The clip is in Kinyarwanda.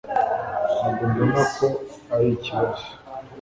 ntabwo mbona ko arikibazo